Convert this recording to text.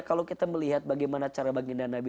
kalau kita melihat bagaimana cara baginda nabi